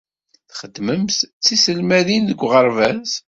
Txeddmemt d tiselmadin deg uɣerbaz.